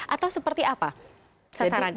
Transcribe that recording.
atau seperti apa sasarannya